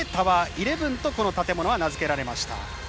１１とこの建物は名付けられました。